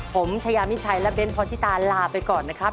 ผมชายามิชัยและเบ้นพรชิตาลาไปก่อนนะครับ